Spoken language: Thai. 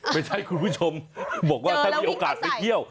ไม่ใช่คุณผู้ชมบอกว่าถ้ามีโอกาสไปเที่ยว